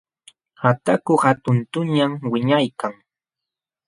Ataku hatuntañam wiñaykan.